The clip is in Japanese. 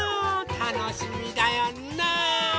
たのしみだよ。ねえ！